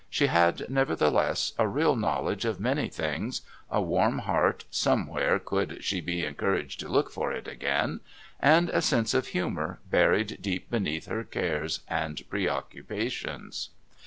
She had, nevertheless, a real knowledge of many things, a warm heart somewhere could she be encouraged to look for it again, and a sense of humour buried deep beneath her cares and preoccupations.